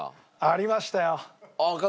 ありましたよ。